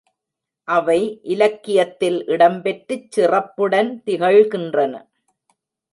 அவை இலக்கியத்தில் இடம் பெற்றுச் சிறப்புடன் திகழ்கின்றன.